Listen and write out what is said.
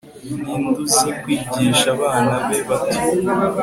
ninde uzi kwigisha abana be bato